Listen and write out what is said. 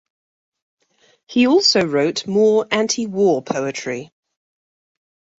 He also wrote more anti-war poetry.